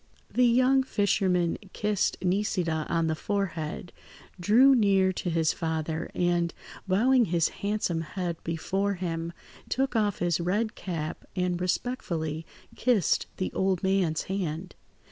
The young fisherman kissed Nisida on the forehead, drew near to his father, and, bowing his handsome head before him, took off his red cap and respectfully kissed the old man's hand.